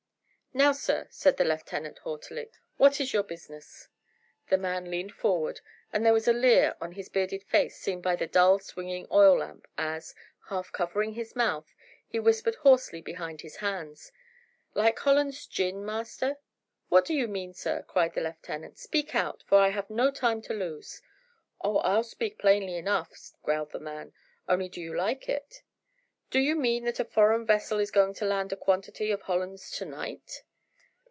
"Now, sir," said the lieutenant haughtily, "what is your business?" The man leaned forward, and there was a leer on his bearded face seen by the dull swinging oil lamp, as, half covering his mouth, he whispered hoarsely behind his hands "Like Hollands gin, master?" "What do you mean, sir?" cried the lieutenant. "Speak out, for I have no time to lose." "Oh, I'll speak plainly enough," growled the man; "on'y do you like it?" "Do you mean that a foreign vessel is going to land a quantity of Hollands to night?"